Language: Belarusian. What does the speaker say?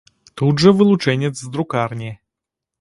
Тут жа вылучэнец з друкарні.